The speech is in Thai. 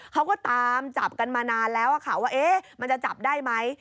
เขาก็ตามจับกันมานานแล้วค่ะว่ามันจะจับได้ไหม